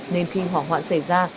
nên khi hỏa hoạn xảy ra